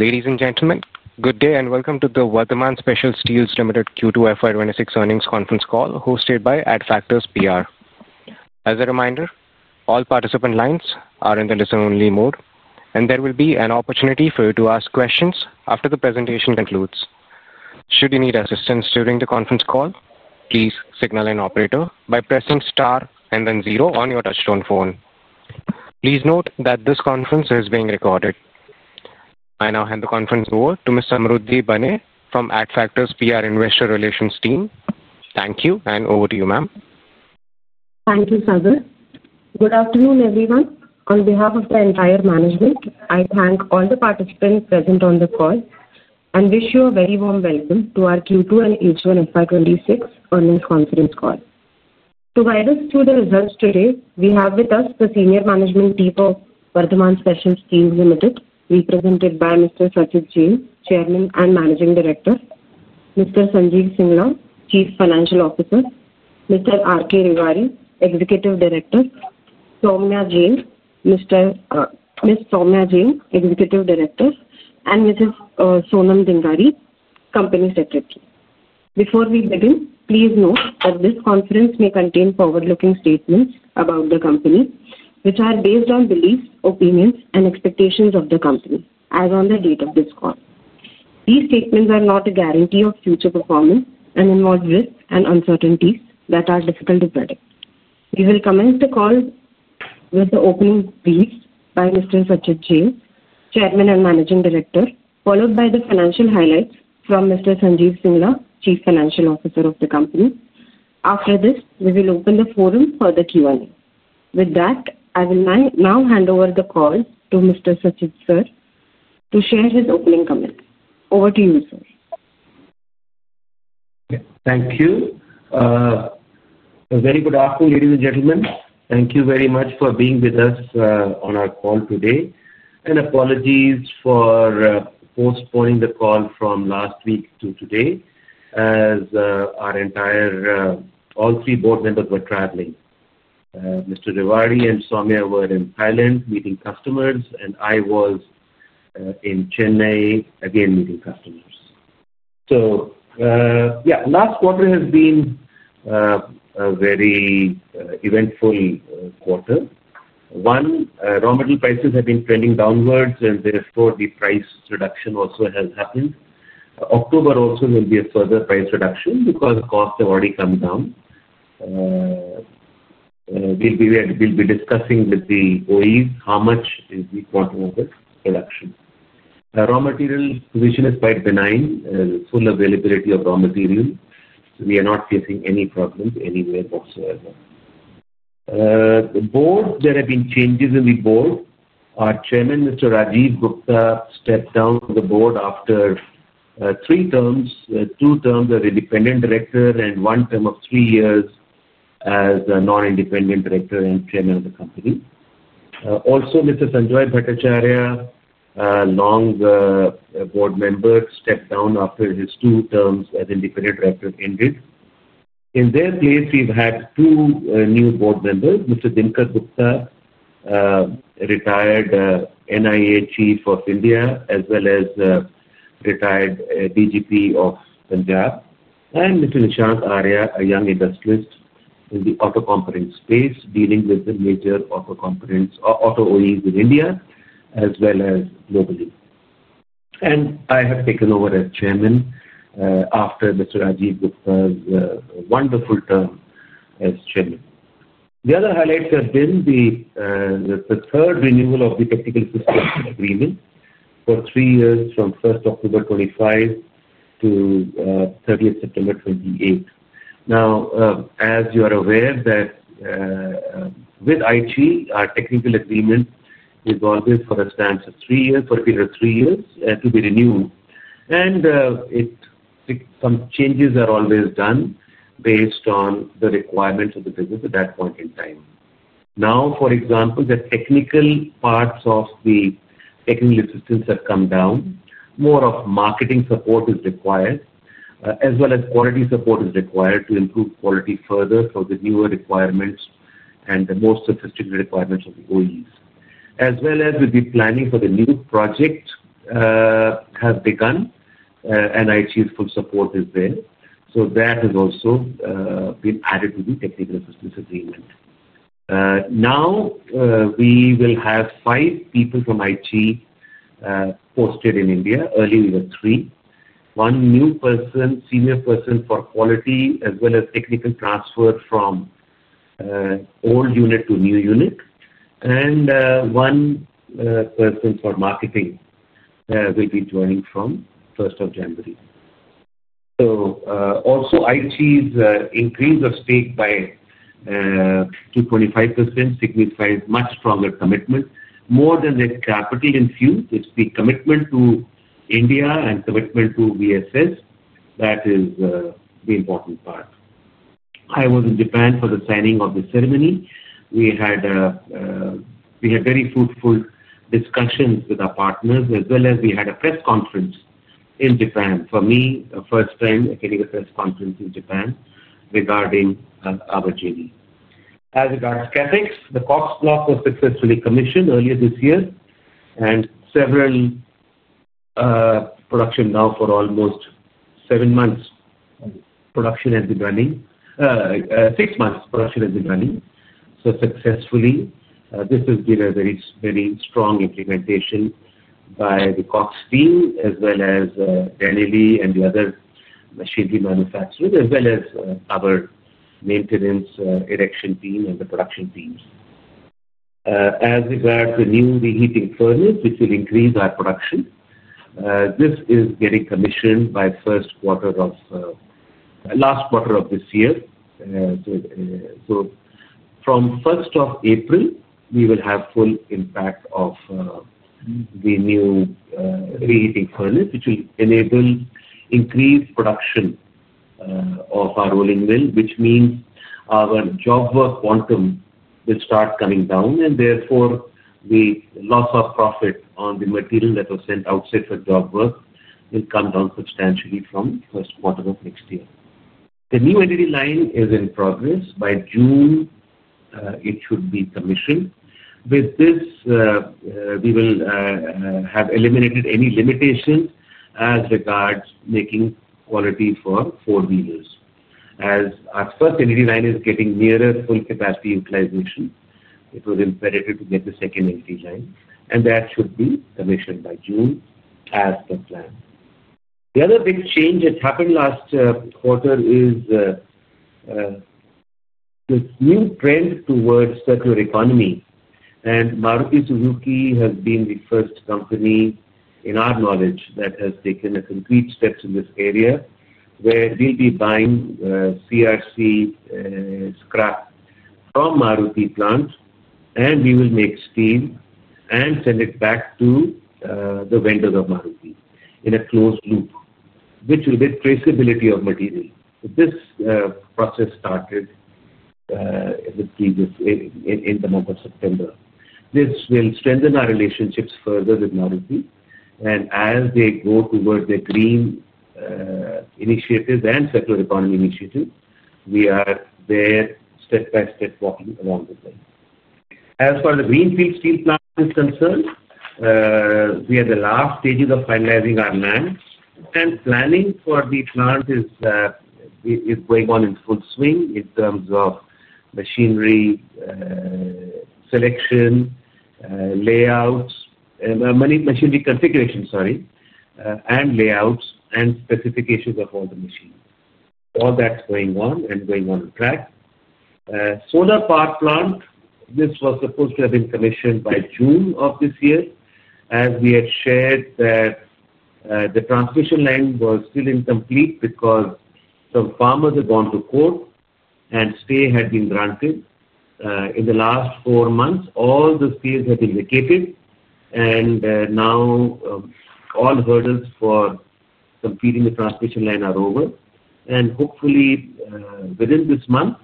Ladies and gentlemen, good day and welcome to the Vardhman Special Steels Ltd Q2 FY26 earnings conference call hosted by Adfactors PR. As a reminder, all participant lines are in the listen-only mode, and there will be an opportunity for you to ask questions after the presentation concludes. Should you need assistance during the conference call, please signal an operator by pressing star and then zero on your touchstone phone. Please note that this conference is being recorded. I now hand the conference over to Samruddhi Bane from the Adfactors PR Investor Relations team. Thank you, and over to you, ma'am. Thank you, Sadhu. Good afternoon, everyone. On behalf of the entire management, I thank all the participants present on the call and wish you a very warm welcome to our Q2 and H1 FY26 earnings conference call. To guide us through the results today, we have with us the Senior Management Team of Vardhman Special Steels Ltd, represented by Mr. Sachit Jain, Chairman and Managing Director; Mr. Sanjeev Singla, Chief Financial Officer; Mr. R.K. Rewari, Executive Director; Ms. Soumya Jain, Executive Director; and Mrs. Sonam Dhingra, Company Secretary. Before we begin, please note that this conference may contain forward-looking statements about the company, which are based on beliefs, opinions, and expectations of the company, as on the date of this call. These statements are not a guarantee of future performance and involve risks and uncertainties that are difficult to predict. We will commence the call with the opening briefs by Mr. Sachit Jain, Chairman and Managing Director, followed by the financial highlights from Mr. Sanjeev Singla, Chief Financial Officer of the company. After this, we will open the forum for the Q&A. With that, I will now hand over the call to Mr. Sachit, sir, to share his opening comments. Over to you, sir. Thank you. A very good afternoon, ladies and gentlemen. Thank you very much for being with us on our call today. Apologies for postponing the call from last week to today, as all three board members were traveling. Mr. Rewari and Soumya were in Thailand meeting customers, and I was in Chennai again meeting customers. Last quarter has been a very eventful quarter. One, raw material prices have been trending downwards, and therefore the price reduction also has happened. October also will be a further price reduction because the costs have already come down. We will be discussing with the OEs how much is the quarter-over reduction. Raw material position is quite benign. Full availability of raw material. We are not facing any problems anywhere whatsoever. The board, there have been changes in the board. Our Chairman, Mr. Rajiv Gupta, stepped down from the board after three terms, two terms as an independent director and one term of three years as a non-independent director and Chairman of the company. Also, Mr. Sanjoy Bhattacharya, long board member, stepped down after his two terms as independent director ended. In their place, we have had two new board members, Mr. Dinkar Gupta, retired NIA Chief of India, as well as retired DGP of Punjab, and Mr. Nishant Arya, a young industrialist in the auto component space, dealing with the major auto components, auto OEMs in India, as well as globally. I have taken over as Chairman after Mr. Rajiv Gupta's wonderful term as Chairman. The other highlights have been the third renewal of the technical assistance agreement for three years from 1st October 2025 to 30th September 2028. As you are aware, with IT, our technical agreement is always for a stance of three years, for a period of three years, to be renewed. Some changes are always done based on the requirements of the business at that point in time. For example, the technical parts of the technical assistance have come down. More of marketing support is required, as well as quality support is required to improve quality further for the newer requirements and the more sophisticated requirements of the OEs. With the planning for the new project has begun, and IT's full support is there. That has also been added to the technical assistance agreement. We will have five people from Aichi posted in India. Earlier, we were three. One new person, senior person for quality, as well as technical transfer from old unit to new unit. One person for marketing will be joining from 1st of January. Also, IT's increase of stake to 25% signifies much stronger commitment. More than the capital infused, it is the commitment to India and commitment to VSS that is the important part. I was in Japan for the signing of the ceremony. We had. Very fruitful discussions with our partners, as well as we had a press conference in Japan. For me, a first-time academic press conference in Japan regarding our journey. As regards to CapEx, the COPS block was successfully commissioned earlier this year, and production now for almost seven months. Production has been running. Six months production has been running. So successfully, this has been a very strong implementation by the COPS team, as well as Danieli and the other machinery manufacturers, as well as our maintenance erection team and the production teams. As regards the new reheating furnace, which will increase our production. This is getting commissioned by last quarter of this year. From 1st of April, we will have full impact of the new reheating furnace, which will enable increased production of our rolling mill, which means our job work quantum will start coming down. Therefore, the loss of profit on the material that was sent outside for job work will come down substantially from 1st quarter of next year. The new energy line is in progress. By June, it should be commissioned. With this, we will have eliminated any limitations as regards making quality for four wheelers. As our first energy line is getting nearer full capacity utilization, it was imperative to get the second energy line. That should be commissioned by June as per plan. The other big change that happened last quarter is this new trend towards circular economy. Maruti Suzuki has been the first company in our knowledge that has taken a concrete step in this area, where we'll be buying CRC scrap from Maruti plant, and we will make steam and send it back to the vendors of Maruti in a closed loop, which will be traceability of material. This process started in the month of September. This will strengthen our relationships further with Maruti. As they go towards their green initiatives and circular economy initiatives, we are there step by step walking along with them. As for the greenfield steel plant is concerned, we are in the last stages of finalizing our land. Planning for the plant is going on in full swing in terms of machinery selection, layouts, and machinery configuration, sorry, and layouts and specifications of all the machines. All that's going on and going on track. Solar power plant, this was supposed to have been commissioned by June of this year. As we had shared that the transmission line was still incomplete because some farmers had gone to court and stay had been granted. In the last four months, all the stays have been vacated. Now all hurdles for completing the transmission line are over. Hopefully, within this month,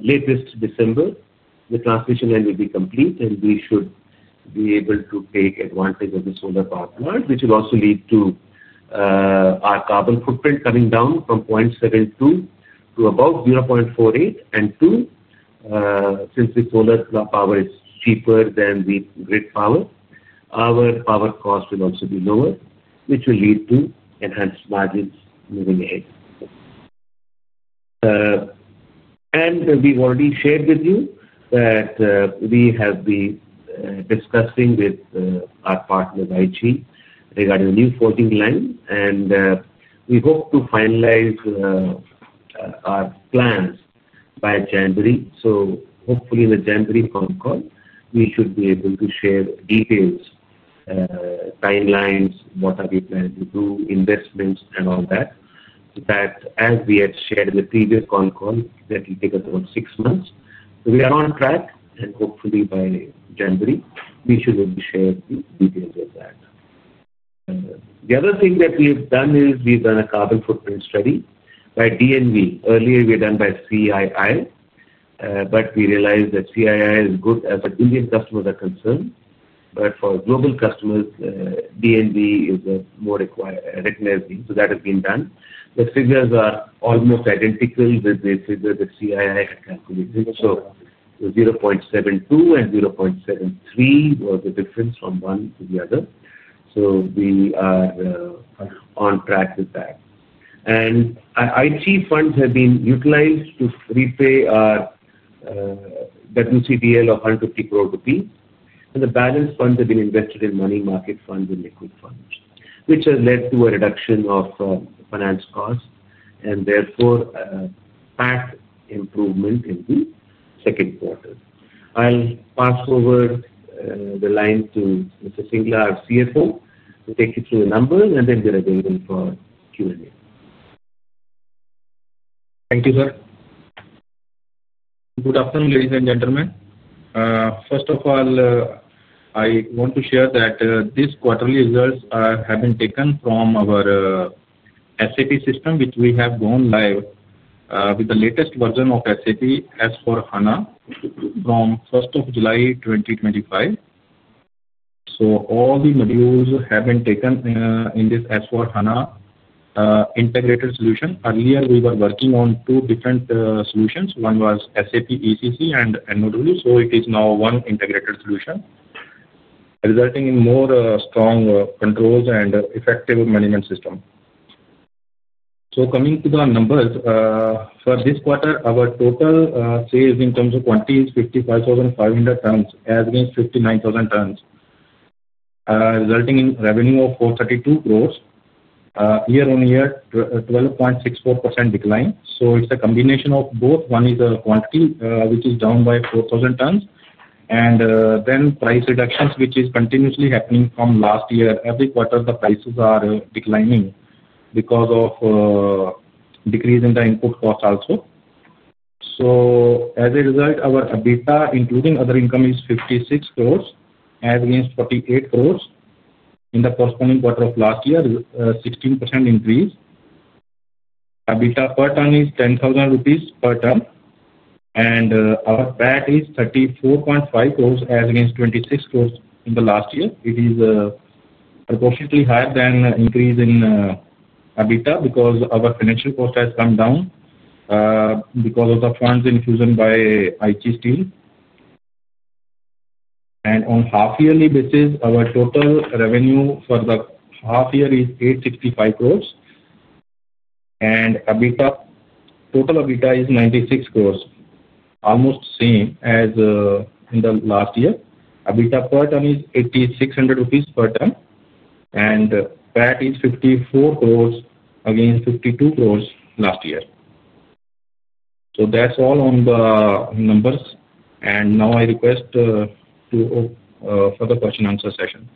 latest December, the transmission line will be complete, and we should be able to take advantage of the solar power plant, which will also lead to our carbon footprint coming down from 0.72 to above 0.48. Two, since the solar power is cheaper than the grid power, our power cost will also be lower, which will lead to enhanced margins moving ahead. We have already shared with you that we have been discussing with our partner, IT, regarding the new Forging Line. We hope to finalize our plans by January. Hopefully, in the January conference, we should be able to share details, timelines, what we are planning to do, investments, and all that. As we had shared in the previous conference, that will take us about six months. We are on track, and hopefully, by January, we should be able to share the details of that. The other thing that we have done is we have done a carbon footprint study by DNV. Earlier, we had done one by CII. We realized that CII is good as far as Indian customers are concerned, but for global customers, DNV is more recognized. That has been done. The figures are almost identical with the figure that CII had calculated, so 0.72 and 0.73 was the difference from one to the other. We are on track with that. Aichi funds have been utilized to repay our WCDL of 150 crore rupees. The balance funds have been invested in money market funds and liquid funds, which has led to a reduction of finance costs and therefore path improvement in the second quarter. I will pass over the line to Mr. Singla, our CFO, to take you through the numbers, and then we are available for Q&A. Thank you, sir. Good afternoon, ladies and gentlemen. First of all, I want to share that these quarterly results have been taken from our SAP system, which we have gone live with the latest version of SAP S/4HANA from 1st of July 2025. All the modules have been taken in this S/4HANA integrated solution. Earlier, we were working on two different solutions. One was SAP ECC and now it is one integrated solution, resulting in more strong controls and effective management system. Coming to the numbers, for this quarter, our total sales in terms of quantity is 55,500 tons, as against 59,000 tons, resulting in revenue of 432 crore. Year-on-year, 12.64% decline. It is a combination of both. One is quantity, which is down by 4,000 tons, and then price reductions, which is continuously happening from last year. Every quarter, the prices are declining because of decrease in the input cost also. As a result, our EBITDA, including other income, is 56 crore, as against 48 crore in the corresponding quarter of last year, 16% increase. EBITDA per ton is 10,000 rupees per ton. Our PAT is 34.5 crore rupees, as against 26 crore in the last year. It is proportionately higher than the increase in EBITDA because our financial cost has come down because of the funds infusion by Aichi Steel. On a half-yearly basis, our total revenue for the half year is 865 crore, and total EBITDA is 96 crore, almost the same as in the last year. EBITDA per ton is 8,600 rupees per ton, and PAT is 54 crore against 52 crore last year. That is all on the numbers. Now I request to further question-answer session.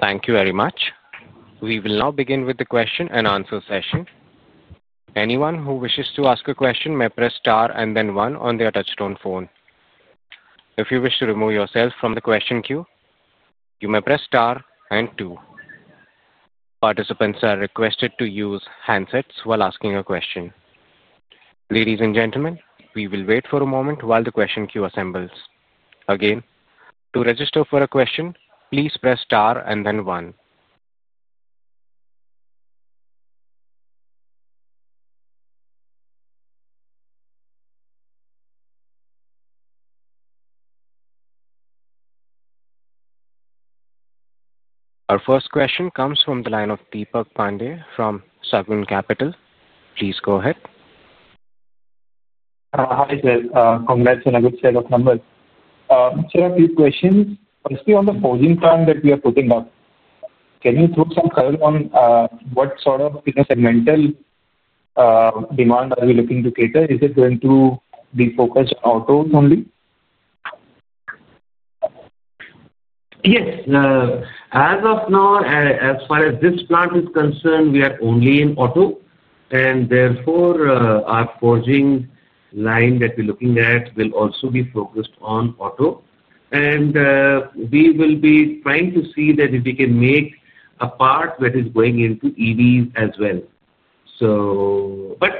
Thank you very much. We will now begin with the question-and-answer session. Anyone who wishes to ask a question may press star and then one on their touchstone phone. If you wish to remove yourself from the question queue, you may press star and two. Participants are requested to use handsets while asking a question. Ladies and gentlemen, we will wait for a moment while the question queue assembles. Again, to register for a question, please press star and then one. Our first question comes from the line of Deepak Pandey from Sagun Capital. Please go ahead. Hi, sir. Congrats on a good set of numbers. Sir, a few questions. Firstly, on the forging plant that we are putting up, can you throw some color on what sort of business segmental demand are you looking to cater? Is it going to be focused on autos only? Yes. As of now, as far as this plant is concerned, we are only in auto. Therefore, our Forging Line that we're looking at will also be focused on auto. We will be trying to see that if we can make a part that is going into EVs as well.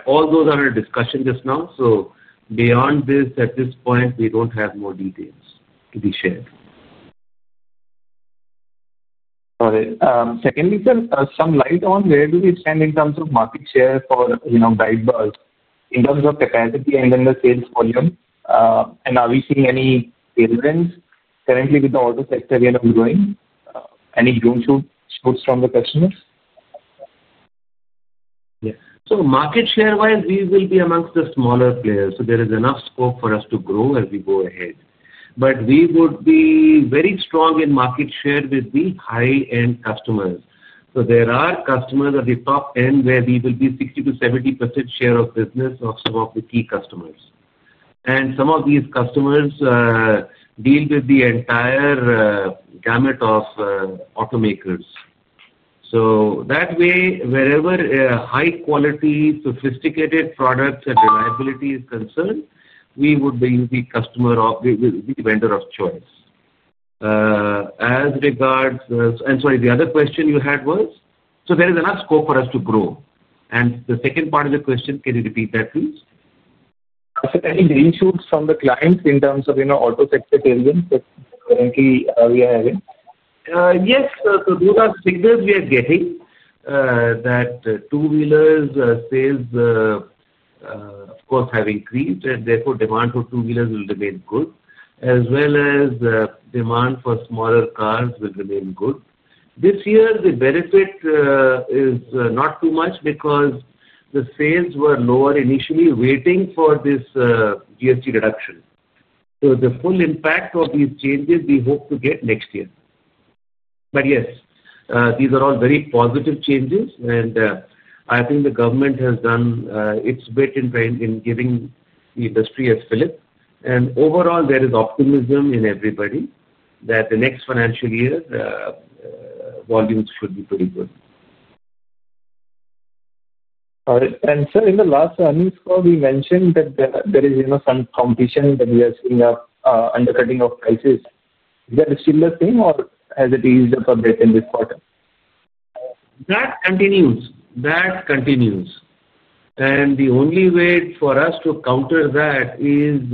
All those are in discussion just now. Beyond this, at this point, we don't have more details to be shared. Got it. Secondly, sir, some light on where do we stand in terms of market share for guidebars in terms of capacity and then the sales volume? Are we seeing any sales wins currently with the auto sector growing? Any green shoots from the customers? Yes. Market share-wise, we will be amongst the smaller players. There is enough scope for us to grow as we go ahead. We would be very strong in market share with the high-end customers. There are customers at the top end where we will be 60-70% share of business of some of the key customers. Some of these customers deal with the entire gamut of automakers. That way, wherever high-quality, sophisticated products and reliability is concerned, we would be the vendor of choice. As regards—sorry, the other question you had was, there is enough scope for us to grow. The second part of the question, can you repeat that, please? Are there any drone shoots from the clients in terms of auto sector sales wins that currently we are having? Yes. Those are signals we are getting that two-wheeler sales, of course, have increased. Therefore, demand for two-wheelers will remain good, as well as demand for smaller cars will remain good. This year, the benefit is not too much because the sales were lower initially waiting for this GST reduction. The full impact of these changes, we hope to get next year. Yes, these are all very positive changes. I think the government has done its bit in giving the industry a slip. Overall, there is optimism in everybody that the next financial year, volumes should be pretty good. All right. Sir, in the last earnings call, we mentioned that there is some competition that we are seeing of undercutting of prices. Is that still the same, or has it eased up a bit in this quarter? That continues. The only way for us to counter that is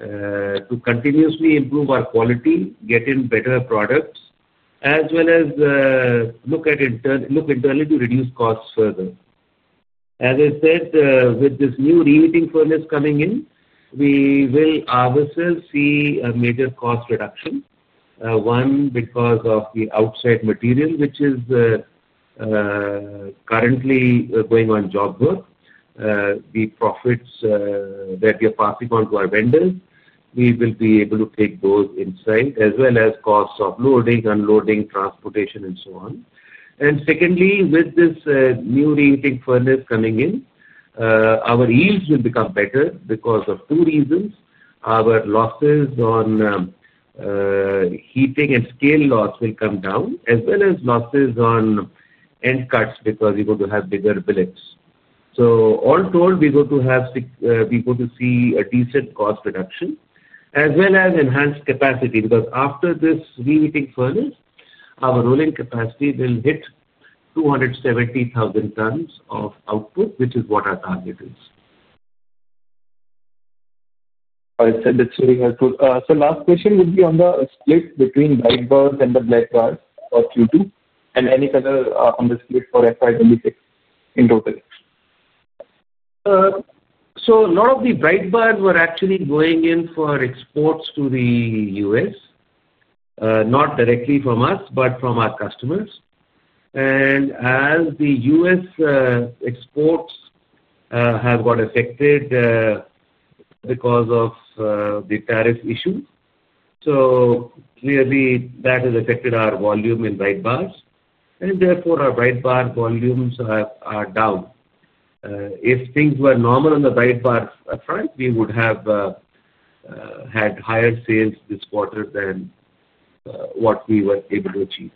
to continuously improve our quality, get in better products, as well as look internally to reduce costs further. As I said, with this new reheating furnace coming in, we will obviously see a major cost reduction. One, because of the outside material, which is currently going on job work. The profits that we are passing on to our vendors, we will be able to take those inside, as well as costs of loading, unloading, transportation, and so on. Secondly, with this new reheating furnace coming in, our yields will become better because of two reasons. Our losses on heating and scale loss will come down, as well as losses on end cuts because we're going to have bigger billets. All told, we're going to see a decent cost reduction, as well as enhanced capacity. After this reheating furnace, our rolling capacity will hit 270,000 tons of output, which is what our target is. All right. That's very helpful. Sir, last question would be on the split between Bright Bars and the Black Bars for Q2 and any color on the split for FY26 in total. A lot of the Bright Bars were actually going in for exports to the U.S. Not directly from us, but from our customers. As the U.S. exports have got affected because of the tariff issue, that has affected our volume in Bright Bars. Therefore, our bright bar volumes are down. If things were normal on the bright bar front, we would have had higher sales this quarter than what we were able to achieve.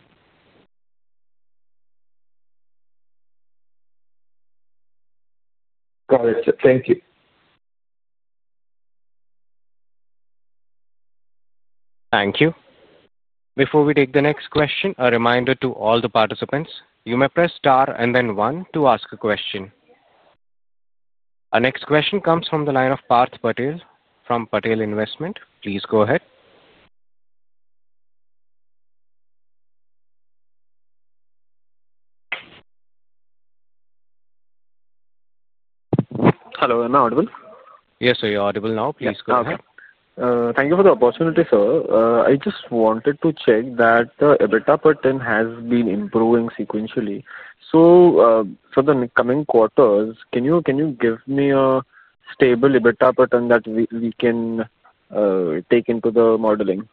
Got it. Thank you. Thank you. Before we take the next question, a reminder to all the participants, you may press star and then one to ask a question. Our next question comes from the line of Parth Patel from Patel Investment. Please go ahead. Hello. Am I audible? Yes, sir. You're audible now. Please go ahead. Okay. Thank you for the opportunity, sir. I just wanted to check that EBITDA per ton has been improving sequentially. For the coming quarters, can you give me a stable EBITDA per ton that we can take into the modeling?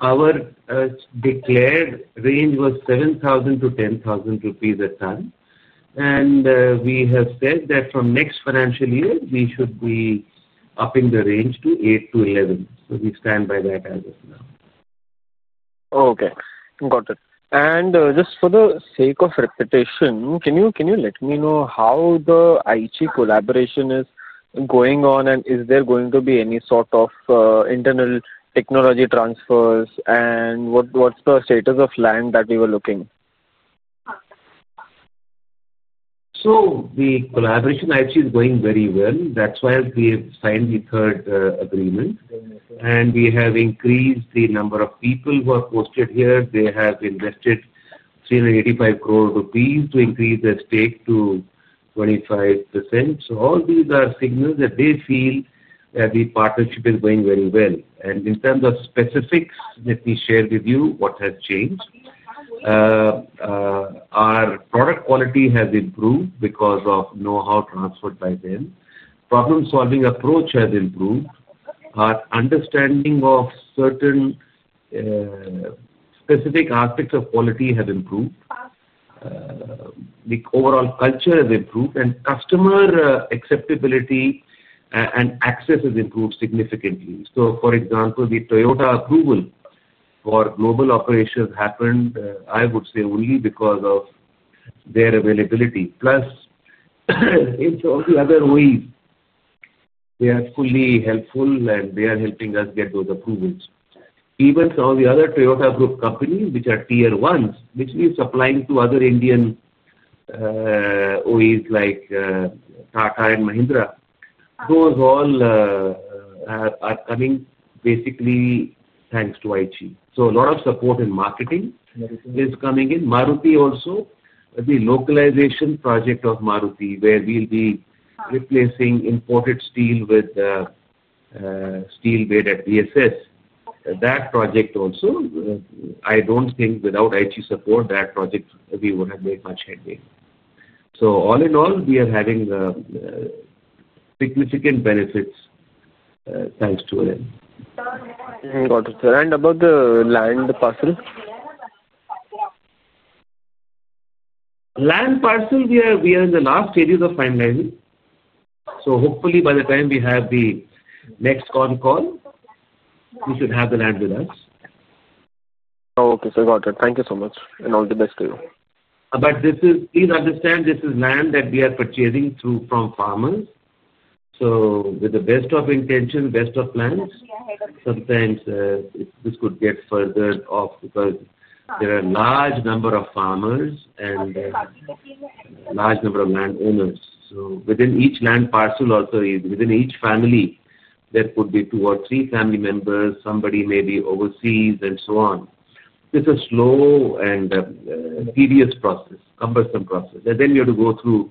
Our declared range was 7,000-10,000 rupees a ton. And we have said that from next financial year, we should be upping the range to 8,000-11,000. We stand by that as of now. Oh, okay. Got it. Just for the sake of repetition, can you let me know how the Aichi collaboration is going on, and is there going to be any sort of internal technology transfers, and what's the status of land that we were looking? The collaboration actually is going very well. That is why we have signed the third agreement. We have increased the number of people who are posted here. They have invested 3.85 billion rupees to increase their stake to 25%. All these are signals that they feel that the partnership is going very well. In terms of specifics that we shared with you, what has changed? Our product quality has improved because of know-how transferred by them. Problem-solving approach has improved. Our understanding of certain specific aspects of quality has improved. The overall culture has improved, and customer acceptability and access has improved significantly. For example, the Toyota approval for global operations happened, I would say, only because of their availability. Plus, all the other OEs, they are fully helpful, and they are helping us get those approvals. Even some of the other Toyota Group companies, which are tier ones, which we are supplying to other Indian OEs like Tata and Mahindra, those all are coming basically thanks to IT. A lot of support in marketing is coming in. Maruti also, the localization project of Maruti, where we will be replacing imported steel with steel made at Vardhman Special Steels, that project also, I do not think without Aichi support, that project we would have made much headway. All in all, we are having significant benefits thanks to them. Got it, sir. About the land parcel? Land parcel, we are in the last stages of finalizing. Hopefully, by the time we have the next con call, we should have the land with us. Oh, okay. Got it. Thank you so much. All the best to you. Please understand, this is land that we are purchasing from farmers. With the best of intention, best of plans, sometimes this could get furthered off because there are a large number of farmers and a large number of landowners. Within each land parcel also, within each family, there could be two or three family members, somebody may be overseas, and so on. It is a slow and tedious process, cumbersome process. You have to go through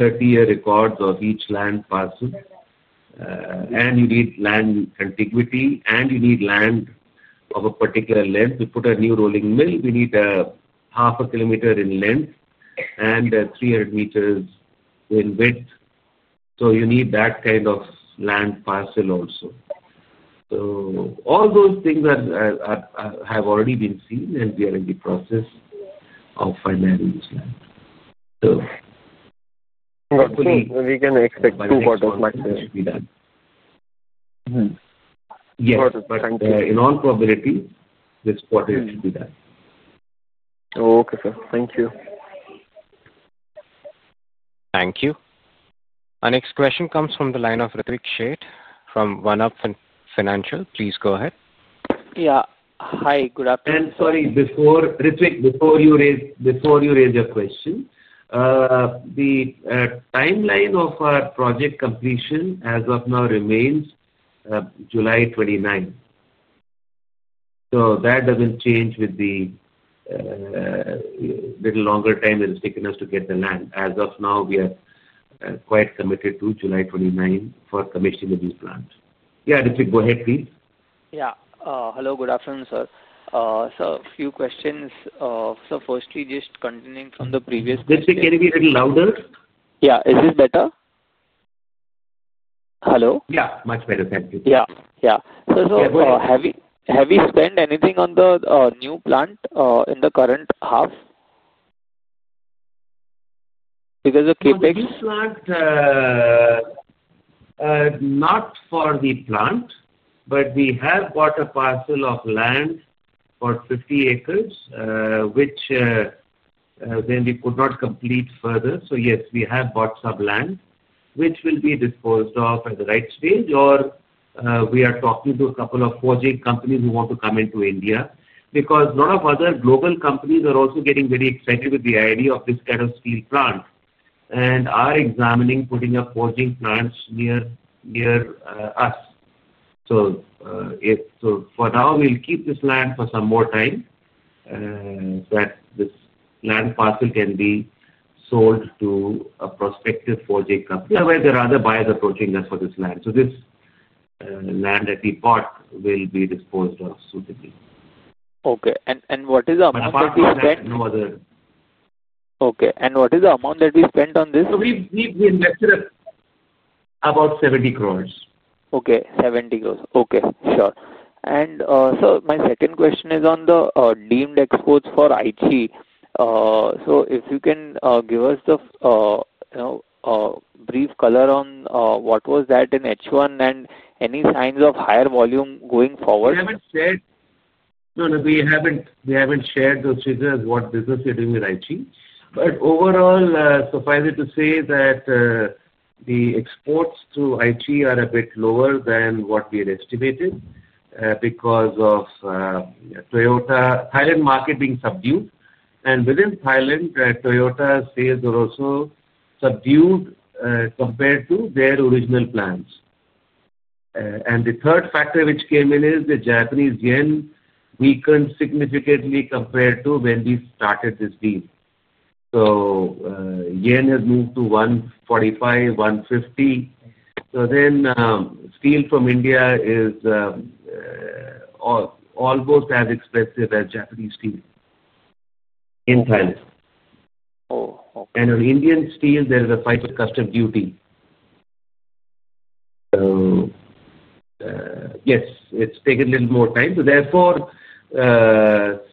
30-year records of each land parcel. You need land contiguity, and you need land of a particular length. We put a new rolling mill. We need half a kilometer in length and 300 meters in width. You need that kind of land parcel also. All those things have already been seen, and we are in the process of finalizing this land. Got it. So we can expect two quarters next year. Yes. Got it. Thank you. In all probability, this quarter it should be done. Oh, okay, sir. Thank you. Thank you. Our next question comes from the line of Ritwik Sheth from One Up Financial. Please go ahead. Yeah. Hi. Good afternoon. Sorry, Ritwik, before you raise your question. The timeline of our project completion as of now remains July 29th. That does not change with the little longer time it has taken us to get the land. As of now, we are quite committed to July 29th for commissioning of this plant. Yeah, Ritwik, go ahead, please. Yeah. Hello. Good afternoon, sir. A few questions. Firstly, just continuing from the previous question. Ritwik, can you be a little louder? Yeah. Is this better? Hello? Yeah. Much better. Thank you. Yeah. Yeah. So. Yeah, go ahead. Have you spent anything on the new plant in the current half? Because the CapEx. For this plant. Not for the plant, but we have bought a parcel of land for 50 acres, which we could not complete further. Yes, we have bought some land, which will be disposed of at the right stage, or we are talking to a couple of forging companies who want to come into India. A lot of other global companies are also getting very excited with the idea of this kind of steel plant and are examining putting up forging plants near us. For now, we'll keep this land for some more time so that this land parcel can be sold to a prospective forging company. There are other buyers approaching us for this land. This land that we bought will be disposed of suitably. Okay. What is the amount that we spent? No other. Okay. What is the amount that we spent on this? We invested about 700 million. Okay. 700 million. Okay. Sure. My second question is on the deemed exports for IT. If you can give us the brief color on what was that in H1 and any signs of higher volume going forward? We haven't shared. No, we haven't shared those figures, what business we're doing with IT. But overall, suffice it to say that. The exports to Aichi are a bit lower than what we had estimated because of. Thailand market being subdued. Within Thailand, Toyota's sales are also subdued compared to their original plans. The third factor which came in is the Japanese yen weakened significantly compared to when we started this deal. Yen has moved to 145-150. Steel from India is almost as expensive as Japanese steel in Thailand. Oh, okay. On Indian steel, there is a fighter customs duty. Yes, it's taken a little more time. Therefore,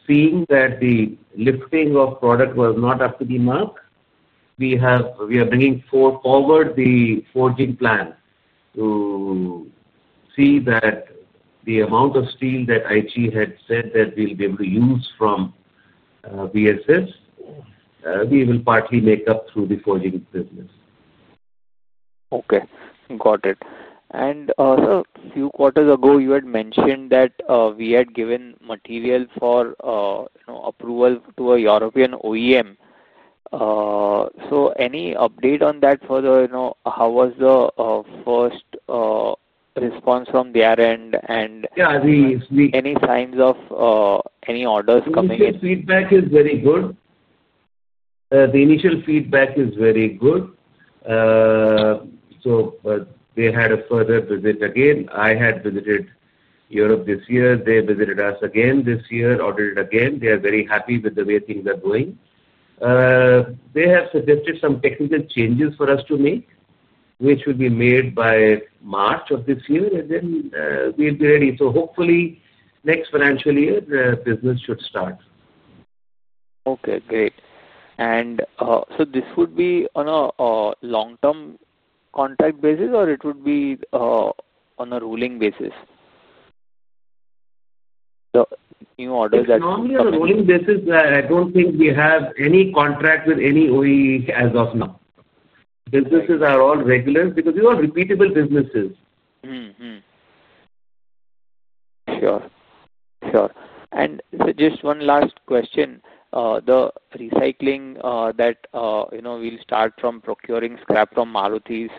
seeing that the lifting of product was not up to the mark, we are bringing forward the forging plan to see that the amount of steel that Aichi had said that we'll be able to use from VSS, we will partly make up through the forging business. Okay. Got it. A few quarters ago, you had mentioned that we had given material for approval to a European OEM. Any update on that further? How was the first response from their end? Yeah. We. Any signs of any orders coming in? The initial feedback is very good. They had a further visit again. I had visited Europe this year. They visited us again this year, audited again. They are very happy with the way things are going. They have suggested some technical changes for us to make, which will be made by March of this year, and then we'll be ready. Hopefully, next financial year, the business should start. Okay. Great. And this would be on a long-term contract basis, or it would be on a rolling basis? The new orders that. Normally, on a ruling basis, I don't think we have any contract with any OE as of now. Businesses are all regular because these are repeatable businesses. Sure. Sure. Just one last question. The recycling that we'll start from procuring scrap from Maruti's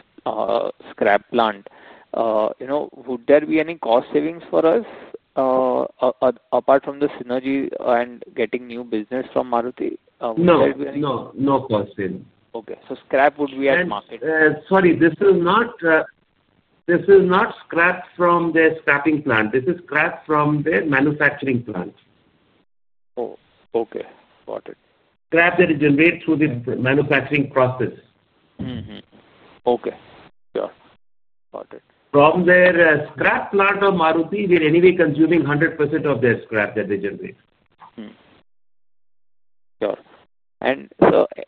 scrap plant, would there be any cost savings for us? Apart from the synergy and getting new business from Maruti, would there be any? No. No cost savings. Okay. So scrap would be at market. Sorry. This is not scrap from their scrapping plant. This is scrap from their manufacturing plant. Oh, okay. Got it. Scrap that is generated through the manufacturing process. Okay. Sure. Got it. From their scrap plant of Maruti, we're anyway consuming 100% of their scrap that they generate. Sure.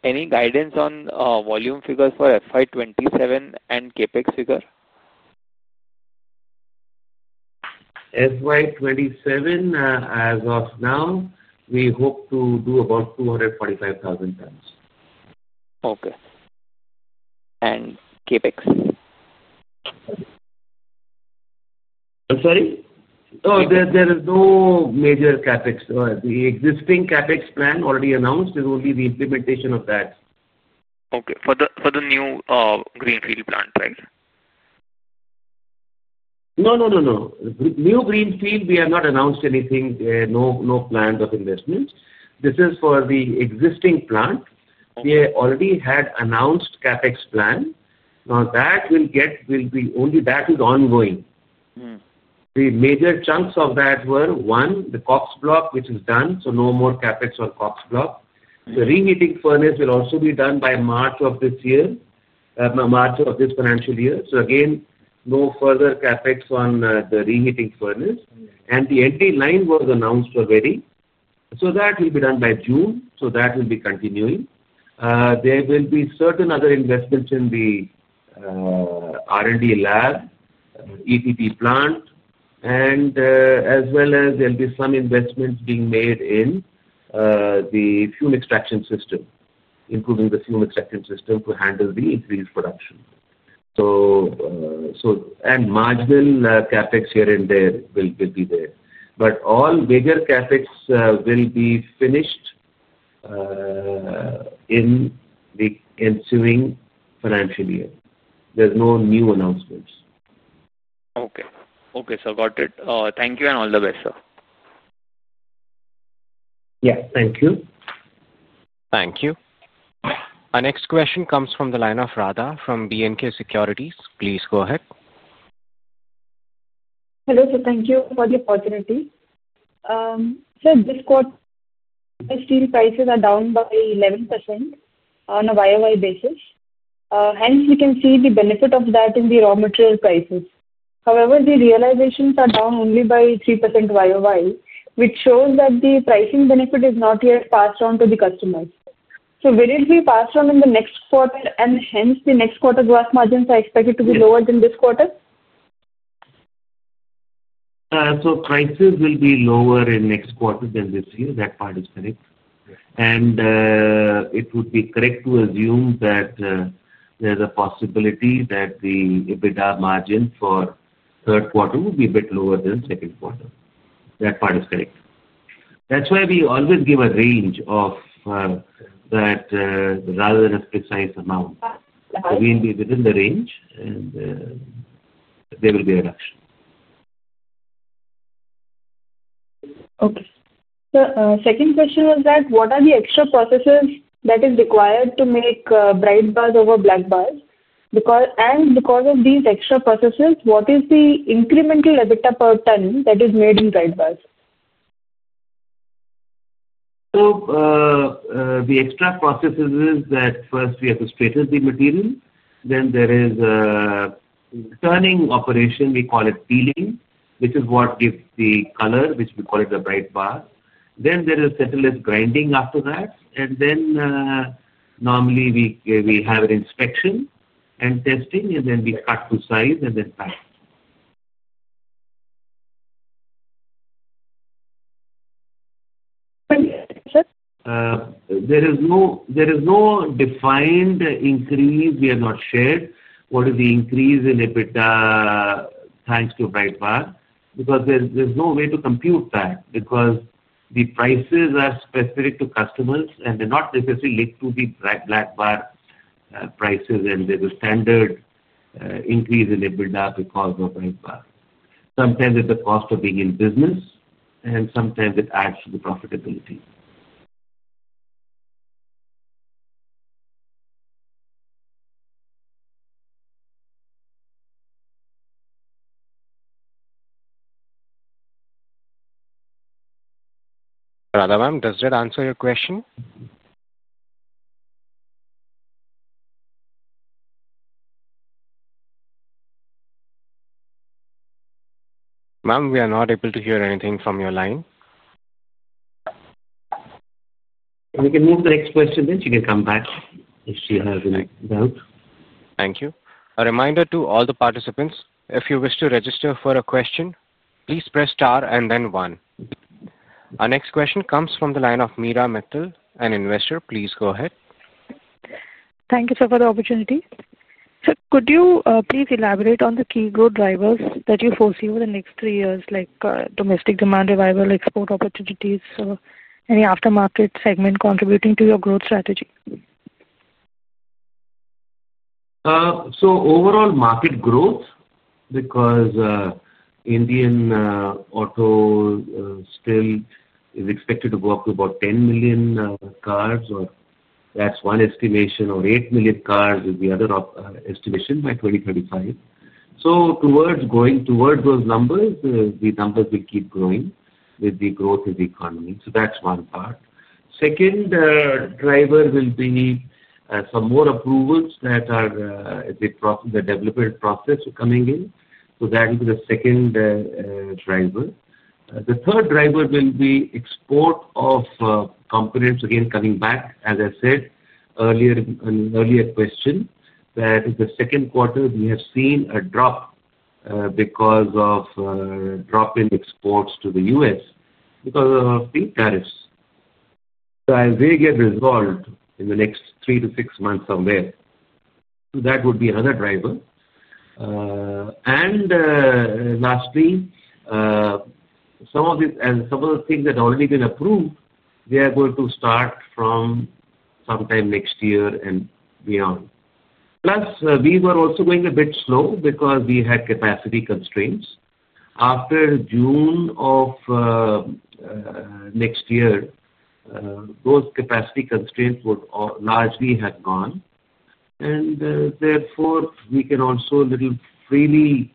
Any guidance on volume figures for FY27 and CapEx figure? FY27, as of now, we hope to do about 245,000 tons. Okay. And CapEx? I'm sorry? Yeah. Oh, there is no major CapEx. The existing CapEx plan already announced is only the implementation of that. Okay. For the new greenfield plant, right? No, no, no. New greenfield, we have not announced anything, no plans of investment. This is for the existing plant. We already had announced CapEx plan. Now, that will be only that is ongoing. The major chunks of that were, one, the COPS block, which is done, so no more CapEx on COPS block. The reheating furnace will also be done by March of this year, March of this financial year. Again, no further CapEx on the reheating furnace. The energy line was announced already. That will be done by June. That will be continuing. There will be certain other investments in the R&D lab, EPP plant, and as well as there'll be some investments being made in the fume extraction system, improving the fume extraction system to handle the increased production. Marginal CapEx here and there will be there. All bigger CapEx will be finished in the ensuing financial year. There's no new announcements. Okay. Okay. So got it. Thank you and all the best, sir. Yeah. Thank you. Thank you. Our next question comes from the line of Radha from B&K Securities. Please go ahead. Hello, sir. Thank you for the opportunity. Sir, this quarter, steel prices are down by 11% on a year-over-year basis. Hence, we can see the benefit of that in the raw material prices. However, the realizations are down only by 3% year-over-year, which shows that the pricing benefit is not yet passed on to the customers. Will it be passed on in the next quarter, and hence the next quarter gross margins are expected to be lower than this quarter? Prices will be lower in next quarter than this year. That part is correct. It would be correct to assume that there's a possibility that the EBITDA margin for third quarter will be a bit lower than second quarter. That part is correct. That's why we always give a range of that rather than a precise amount. We will be within the range, and there will be a reduction. Okay. Sir, second question is that what are the extra processes that are required to make Bright Bars over Black Bars? And because of these extra processes, what is the incremental EBITDA per ton that is made in Bright Bars? The extra processes is that first we have to straighten the material. Then there is a turning operation. We call it peeling, which is what gives the color, which we call it a bright bar. Then there is settlers grinding after that. Normally we have an inspection and testing, and then we cut to size and then pack. Sorry, sir? There is no defined increase. We have not shared what is the increase in EBITDA thanks to bright bar because there is no way to compute that because the prices are specific to customers, and they are not necessarily linked to the black bar prices. There is a standard increase in EBITDA because of bright bar. Sometimes it is the cost of being in business, and sometimes it adds to the profitability. Radhavam, does that answer your question? Ma'am, we are not able to hear anything from your line. We can move to the next question, then she can come back if she has any doubt. Thank you. A reminder to all the participants, if you wish to register for a question, please press star and then one. Our next question comes from the line of Meera Mittal, an investor. Please go ahead. Thank you, sir, for the opportunity. Sir, could you please elaborate on the key growth drivers that you foresee over the next three years, like domestic demand revival, export opportunities, or any aftermarket segment contributing to your growth strategy? Overall market growth because Indian auto steel is expected to go up to about 10 million cars, or that's one estimation, or 8 million cars is the other estimation by 2035. Towards going towards those numbers, the numbers will keep growing with the growth of the economy. That's one part. Second driver will be some more approvals that are the development process coming in. That will be the second driver. The third driver will be export of components, again coming back, as I said earlier in an earlier question, that in the second quarter, we have seen a drop because of drop in exports to the U.S. because of the tariffs. As they get resolved in the next three to six months somewhere, that would be another driver. Lastly, some of the things that have already been approved, they are going to start from sometime next year and beyond. Plus, we were also going a bit slow because we had capacity constraints. After June of next year, those capacity constraints would largely have gone, and therefore, we can also a little freely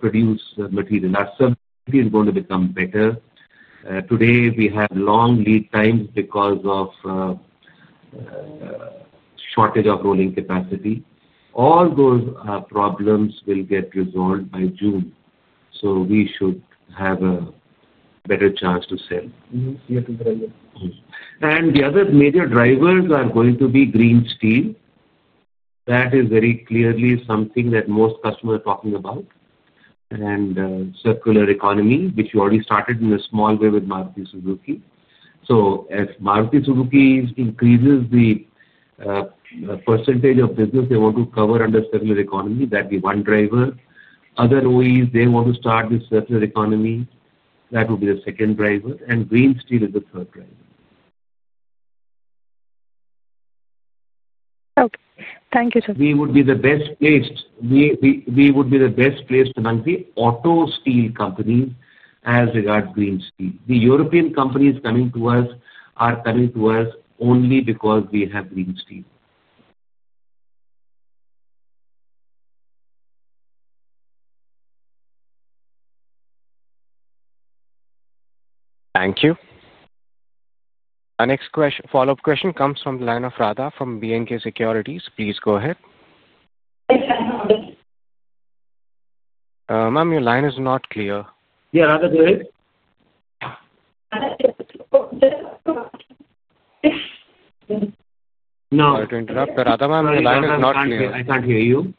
produce material. Our subsidy is going to become better. Today, we have long lead times because of shortage of rolling capacity. All those problems will get resolved by June. We should have a better chance to sell. The other major drivers are going to be green steel. That is very clearly something that most customers are talking about. Circular economy, which we already started in a small way with Maruti Suzuki. As Maruti Suzuki increases the percentage of business they want to cover under circular economy, that'd be one driver. Other OEs, they want to start this circular economy. That would be the second driver. Green steel is the third driver. Okay. Thank you, sir. We would be the best placed. We would be the best placed among the auto steel companies as regards green steel. The European companies coming to us are coming to us only because we have green steel. Thank you. Our next follow-up question comes from the line of Radha from B&K Securities. Please go ahead. Yes, I'm on. Ma'am, your line is not clear. Yeah. Radha, go ahead. No. Sorry to interrupt. Radha, your line is not clear. I can't hear you.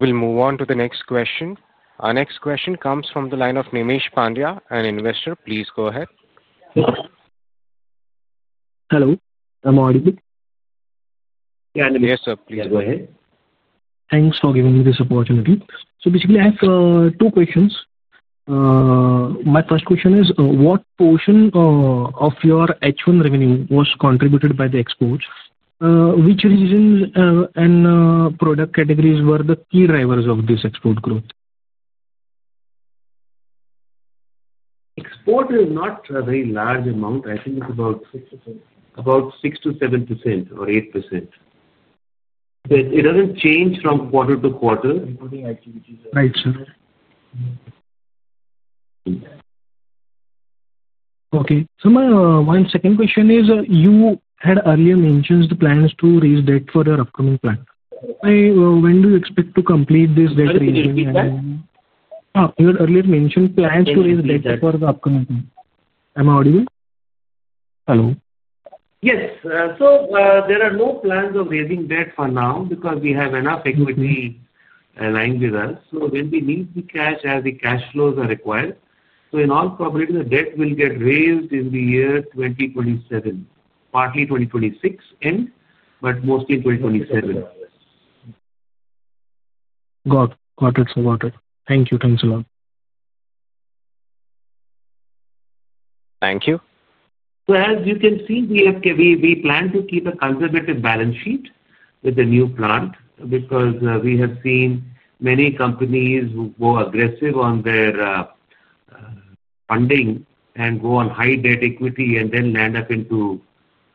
We'll move on to the next question. Our next question comes from the line of Nimesh Pandya, an investor. Please go ahead. Hello. I'm audible? Yeah, Nimesh. Yes, sir. Please go ahead. Thanks for giving me this opportunity. Basically, I have two questions. My first question is, what portion of your H1 revenue was contributed by the exports? Which regions and product categories were the key drivers of this export growth? Export is not a very large amount. I think it's about 6%-7% or 8%. It doesn't change from quarter to quarter. Right, sir. Okay. So my second question is, you had earlier mentioned plans to raise debt for your upcoming plan. When do you expect to complete this debt raising? You had earlier mentioned plans to raise debt for the upcoming plan. Am I audible? Hello. Yes. There are no plans of raising debt for now because we have enough equity aligned with us. When we need the cash, as the cash flows are required, in all probability, the debt will get raised in the year 2027, partly 2026, but mostly in 2027. Got it. Got it. Thank you. Thanks a lot. Thank you. As you can see, we plan to keep a conservative balance sheet with the new plant because we have seen many companies who go aggressive on their funding and go on high debt-to-equity and then land up into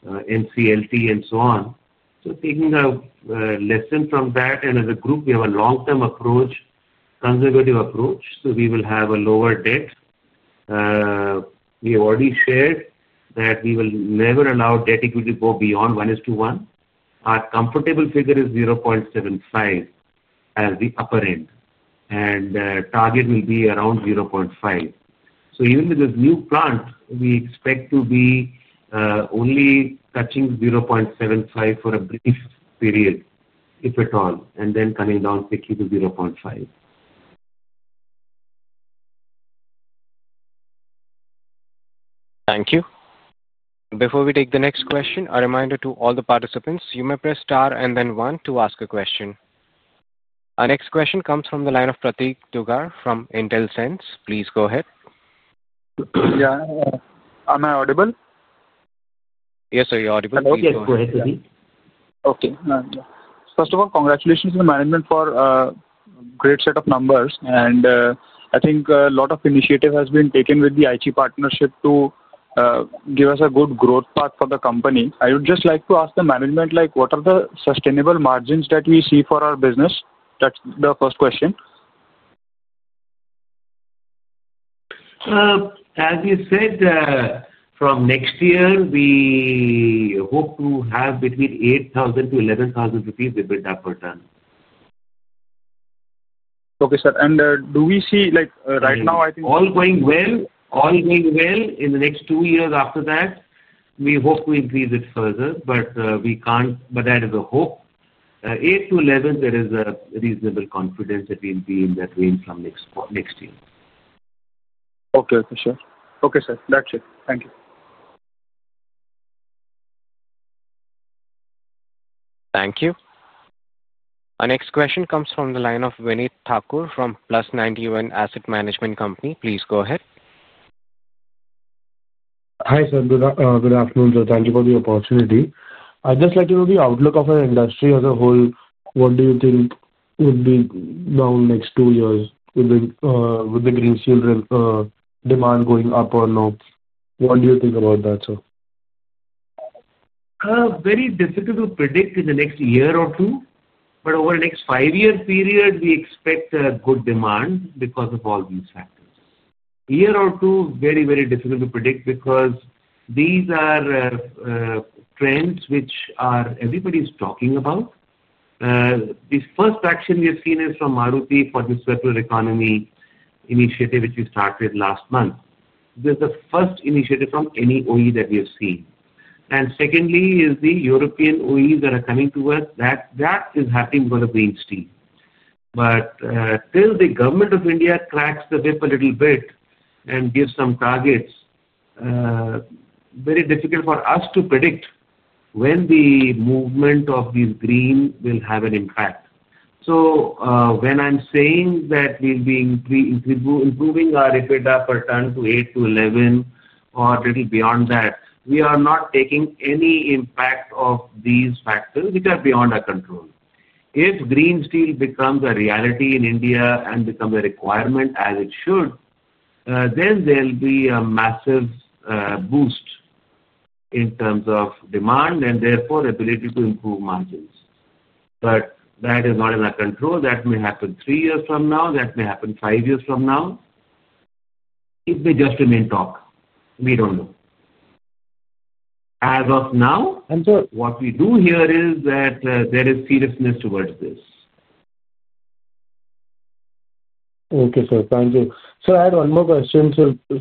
NCLT and so on. Taking a lesson from that, and as a group, we have a long-term approach, conservative approach, so we will have a lower debt. We have already shared that we will never allow debt-to-equity to go beyond 1:1. Our comfortable figure is 0.75 as the upper end, and the target will be around 0.5. Even with this new plant, we expect to be only touching 0.75 for a brief period, if at all, and then coming down quickly to 0.5. Thank you. Before we take the next question, a reminder to all the participants, you may press star and then one to ask a question. Our next question comes from the line of Prateek Duggar from Intelsense. Please go ahead. Yeah. Am I audible? Yes, sir, you're audible. Okay. Go ahead, Prateek. Okay. First of all, congratulations to the management for a great set of numbers. I think a lot of initiative has been taken with the Aichi partnership to give us a good growth path for the company. I would just like to ask the management, what are the sustainable margins that we see for our business? That's the first question. As we said, from next year, we hope to have between 8,000-11,000 rupees EBITDA per ton. Okay, sir. Do we see right now, I think. All going well, in the next two years after that, we hope to increase it further, but we can't, but that is a hope. 8,000-11,000 there is a reasonable confidence that we'll be in that range from next year. Okay, sir. Okay, sir. That's it. Thank you. Thank you. Our next question comes from the line of Vinit Thakur from Plus91 Asset Management Company. Please go ahead. Hi, sir. Good afternoon, sir. Thank you for the opportunity. I'd just like to know the outlook of our industry as a whole. What do you think would be down next two years with the green steel demand going up or no? What do you think about that, sir? Very difficult to predict in the next year or two, but over the next five-year period, we expect good demand because of all these factors. Year or two, very, very difficult to predict because these are trends which everybody is talking about. The first action we have seen is from Maruti for the circular economy initiative, which we started last month. This is the first initiative from any OE that we have seen. Secondly is the European OEs that are coming to us. That is happening because of green steel. Till the government of India cracks the whip a little bit and gives some targets, very difficult for us to predict when the movement of these green will have an impact. When I'm saying that we'll be improving our EBITDA per ton to 8-11 or a little beyond that, we are not taking any impact of these factors which are beyond our control. If green steel becomes a reality in India and becomes a requirement as it should, there will be a massive boost in terms of demand and therefore ability to improve margins. That is not in our control. That may happen three years from now. That may happen five years from now. It may just remain talk. We don't know as of now. And sir. What we do here is that there is seriousness towards this. Okay, sir. Thank you. Sir, I have one more question.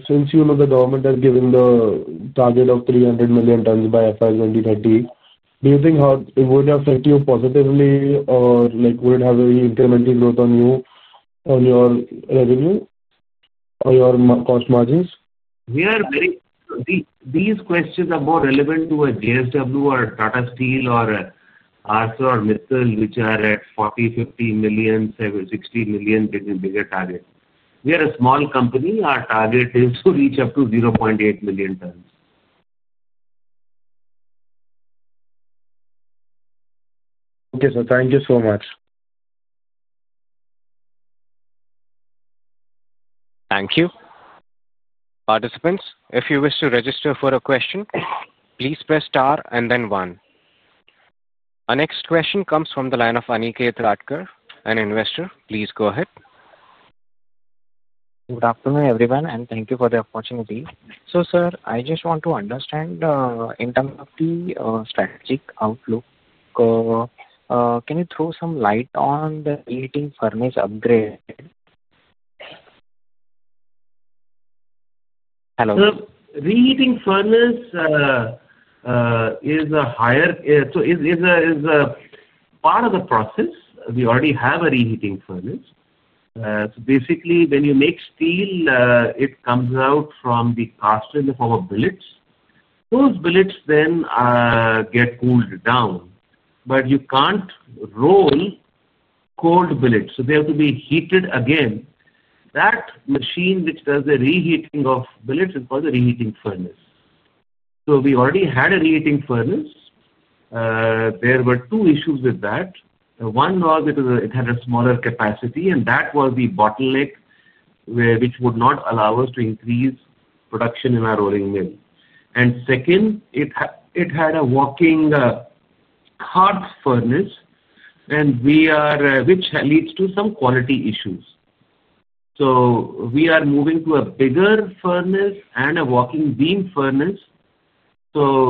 Since you know the government has given the target of 300 million tons by FY2030, do you think it would have affected you positively or would it have incrementally brought on you your revenue or your cost margins? These questions are more relevant to a JSW or Tata Steel or ArcelorMittal, which are at 40 million, 50 million, 60 million bigger target. We are a small company. Our target is to reach up to 0.8 million tons. Okay, sir. Thank you so much. Thank you. Participants, if you wish to register for a question, please press star and then one. Our next question comes from the line of Aniket Ratkar, an investor. Please go ahead. Good afternoon, everyone, and thank you for the opportunity. Sir, I just want to understand. In terms of the strategic outlook, can you throw some light on the reheating furnace upgrade? Hello. Reheating furnace is a higher, so it is a part of the process. We already have a reheating furnace. Basically, when you make steel, it comes out from the casting in the form of billets. Those billets then get cooled down. You cannot roll cold billets, so they have to be heated again. That machine which does the reheating of billets is called the reheating furnace. We already had a reheating furnace. There were two issues with that. One was it had a smaller capacity, and that was the bottleneck, which would not allow us to increase production in our rolling mill. Second, it had a walking car furnace, which leads to some quality issues. We are moving to a bigger furnace and a walking beam furnace,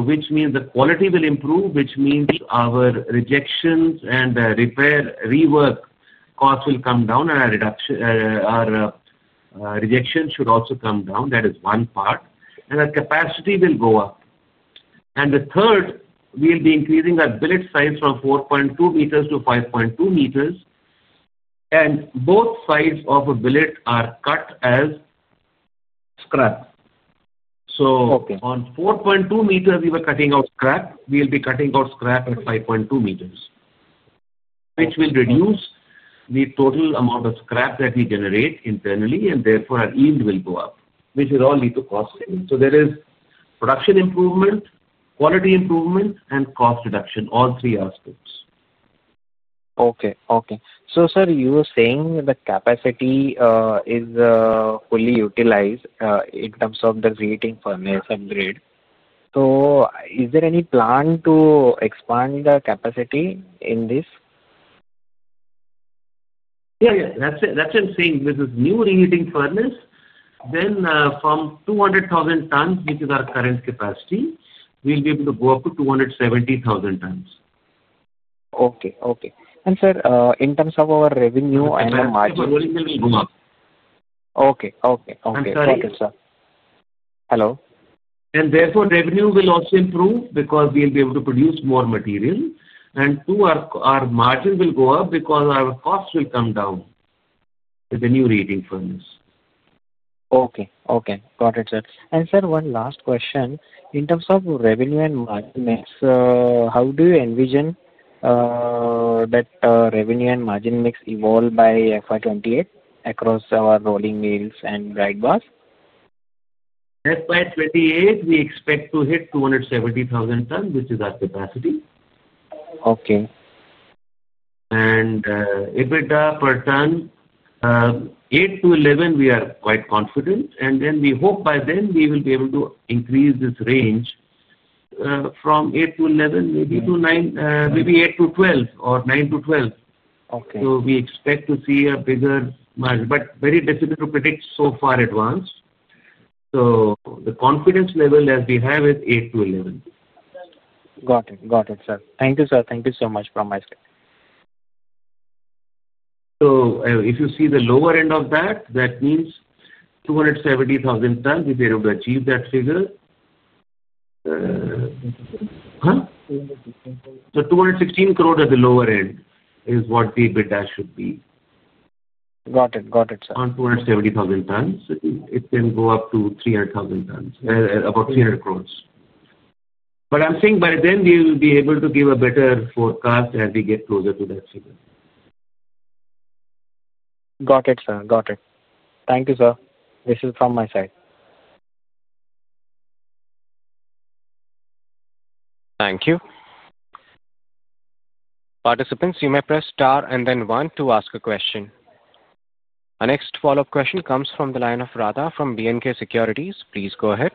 which means the quality will improve, which means our rejections and rework costs will come down, and our rejections should also come down. That is one part. Our capacity will go up. The third, we will be increasing our billet size from 4.2 meters to 5.2 meters. Both sides of a billet are cut as scrap. On 4.2 meters, we were cutting out scrap. We will be cutting out scrap at 5.2 meters, which will reduce the total amount of scrap that we generate internally, and therefore our yield will go up, which will all lead to cost savings. There is production improvement, quality improvement, and cost reduction, all three aspects. Okay. Okay. So, sir, you were saying the capacity is fully utilized in terms of the reheating furnace upgrade. Is there any plan to expand the capacity in this? Yeah. Yeah. That's what I'm saying. With this new reheating furnace, then from 200,000 tons, which is our current capacity, we'll be able to go up to 270,000 tons. Okay. Okay. Sir, in terms of our revenue and our margin. Our rolling mill will go up. Okay. I'm sorry. Okay, sir. Hello? Therefore, revenue will also improve because we'll be able to produce more material. Two, our margin will go up because our costs will come down with the new reheating furnace. Okay. Okay. Got it, sir. And, sir, one last question. In terms of revenue and margin mix, how do you envision that revenue and margin mix evolve by FY2028 across our rolling mills and Bright Bars? FY 2028, we expect to hit 270,000 tons, which is our capacity. Okay. EBITDA per ton, 8-11, we are quite confident. We hope by then we will be able to increase this range. From 8-11, maybe 8-12 or 9-12. We expect to see a bigger margin, but very difficult to predict so far advanced. The confidence level that we have is 8-11. Got it. Got it, sir. Thank you, sir. Thank you so much from my side. If you see the lower end of that, that means 270,000 tons. We'll be able to achieve that figure, huh? 216 crore at the lower end is what the EBITDA should be. Got it. Got it, sir. On 270,000 tons, it can go up to 300,000 tons, about 300 crores. I'm saying by then we will be able to give a better forecast as we get closer to that figure. Got it, sir. Got it. Thank you, sir. This is from my side. Thank you. Participants, you may press star and then one to ask a question. Our next follow-up question comes from the line of Radha from B&K Securities. Please go ahead.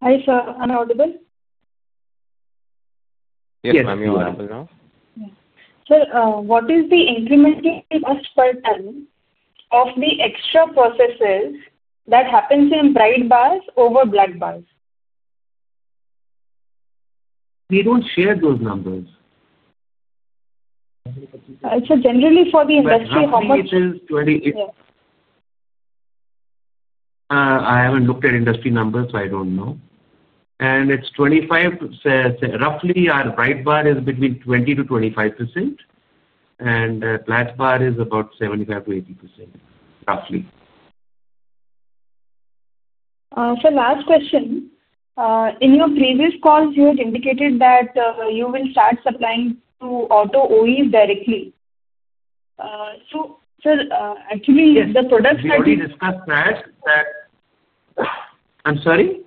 Hi, sir. Am I audible? Yes, ma'am. You're audible now. Sir, what is the incremental cost per ton of the extra processes that happens in Bright Bars over Black Bars? We don't share those numbers. Sir, generally for the industry, how much? I haven't looked at industry numbers, so I don't know. It is 25. Roughly, our bright bar is between 20%-25%, and black bar is about 75%-80%, roughly. Sir, last question. In your previous calls, you had indicated that you will start supplying to auto OEs directly. Sir, actually, the products that you. Yes, we already discussed that. I'm sorry?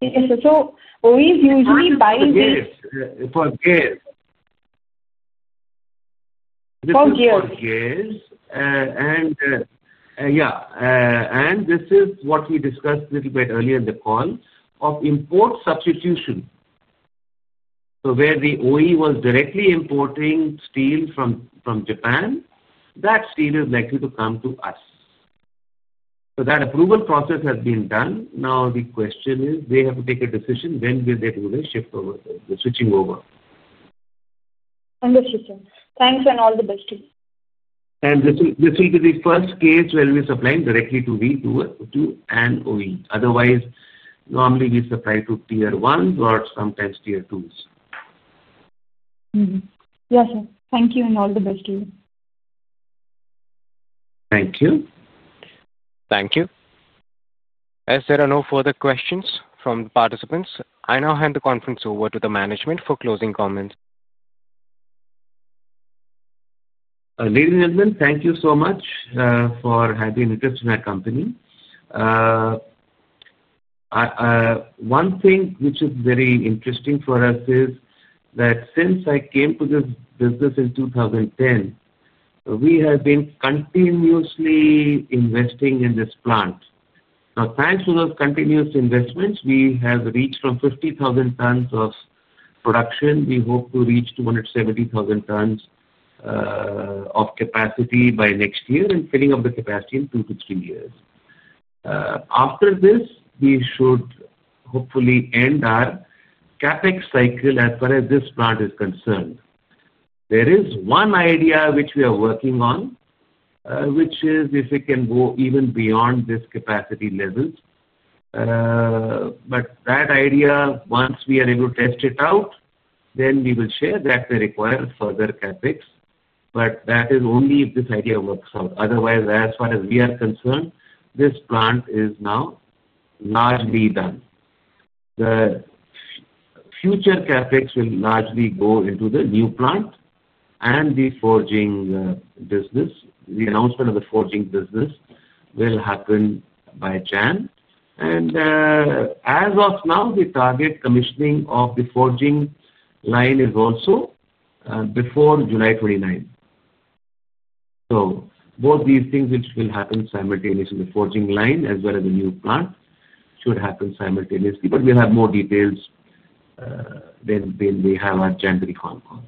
Yes, sir. OEs usually buy this. For gas. For gas. For gas. Yeah. This is what we discussed a little bit earlier in the call, of import substitution. Where the OE was directly importing steel from Japan, that steel is likely to come to us. That approval process has been done. Now the question is they have to take a decision when will they do the switching over. Understood, sir. Thanks and all the best to you. This will be the first case where we're supplying directly to V2 and OE. Otherwise, normally we supply to tier ones or sometimes tier twos. Yes, sir. Thank you and all the best to you. Thank you. Thank you. As there are no further questions from the participants, I now hand the conference over to the management for closing comments. Ladies and gentlemen, thank you so much for having interest in our company. One thing which is very interesting for us is that since I came to this business in 2010, we have been continuously investing in this plant. Now, thanks to those continuous investments, we have reached from 50,000 tons of production. We hope to reach 270,000 tons of capacity by next year and filling up the capacity in two to three years. After this, we should hopefully end our CapEx cycle as far as this plant is concerned. There is one idea which we are working on, which is if it can go even beyond these capacity levels. That idea, once we are able to test it out, then we will share, that may require further CapEx. That is only if this idea works out. Otherwise, as far as we are concerned, this plant is now largely done. The future CapEx will largely go into the new plant and the forging business. The announcement of the forging business will happen by January. As of now, the target commissioning of the Forging Line is also before July 2029. Both these things, which will happen simultaneously, the Forging Line as well as the new plant, should happen simultaneously. We will have more details when we have our January conference.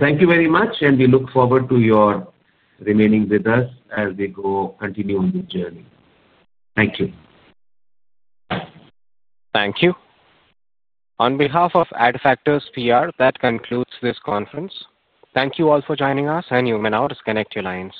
Thank you very much, and we look forward to your remaining with us as we continue on this journey. Thank you. Thank you. On behalf of Adfactors PR, that concludes this conference. Thank you all for joining us, and you may now disconnect your lines.